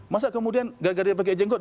masa kemudian gara gara dia pakai jenggot